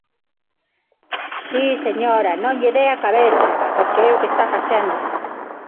Si, señora, non lle dea á cabeza, porque é o que está facendo.